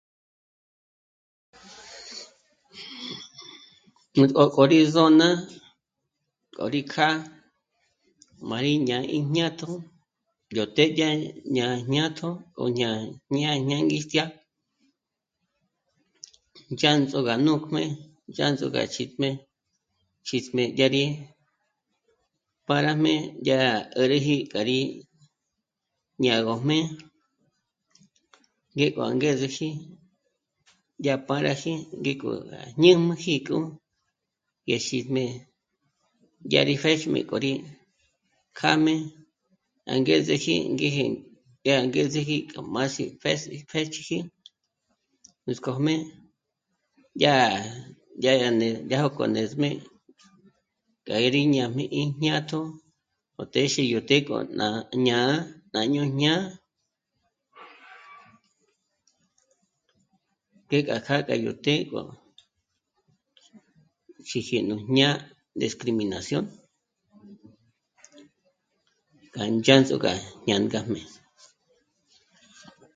Nújó k'o rí zö̌'n'a k'o rí kjâ'a má rí jñá'a í jñátjo yó të́'ë dyà jñá'a jñátjo o jñá'a jñângistjya chjândzo gá nùjmé, chjândzo gá chíjmé, chísjmé yá rí pârajmé dyá rá 'ä́räji k'a rí ñâ'agöjmé ngék'o angezeji dyá pâraji ngík'o gá jñújmüjiko ngé xíjmé dyá rí péxm'i k'o rí kjâjmé angezeji ngéje dyá angezeji k'a más'i pjés'i pjéchiji, nuts'k'ójmé dyá..., dyá ndé jók'ò ndä̌sjmé k'â'a rí ñájmi í jñátjo yó téxi yó të́'ë k'o nà ñá'a nà jñǒjña'a, ngék'a kjâ'a k'a yó të́'ë k'o xíji nú jñá'a discriminación k'a ndzhândzoga ñá ngájmé